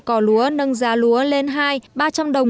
cỏ lúa nâng giá lúa lên hai ba trăm linh đồng